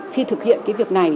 khi thực hiện việc này